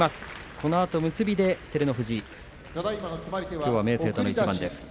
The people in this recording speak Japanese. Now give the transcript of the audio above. このあと結びで照ノ富士は明生との一番です。